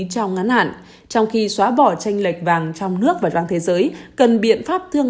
trong ngắn hạn trong khi xóa bỏ tranh lệch vàng trong nước và vàng thế giới cần biện pháp thương